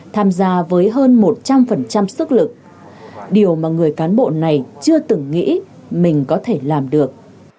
tham gia với hơn một trăm linh sức lực điều mà người cán bộ này chưa từng nghĩ mình có thể làm được